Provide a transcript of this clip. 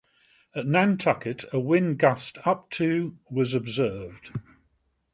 At Nantucket, a wind gust up to was observed.